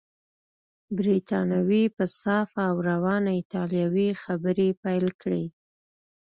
بریتانوي په صافه او روانه ایټالوې خبرې پیل کړې.